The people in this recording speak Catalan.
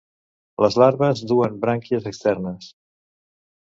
Les larves duen brànquies externes.